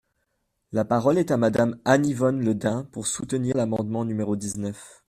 La parole est à Madame Anne-Yvonne Le Dain, pour soutenir l’amendement numéro dix-neuf.